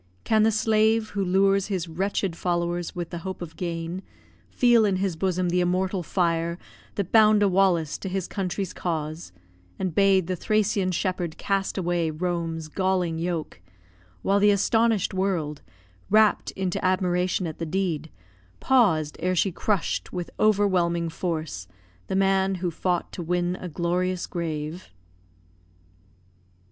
Can the slave, who lures His wretched followers with the hope of gain, Feel in his bosom the immortal fire That bound a Wallace to his country's cause, And bade the Thracian shepherd cast away Rome's galling yoke; while the astonish'd world Rapt into admiration at the deed Paus'd, ere she crush'd, with overwhelming force, The man who fought to win a glorious grave?